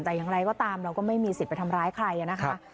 แต่อย่างไรก็ตามเราก็ไม่มีสิทธิ์ไปทำร้ายใครนะคะ